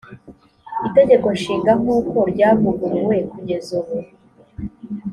itegeko nshinga nk’uko ryavuguruwe kugeza ubu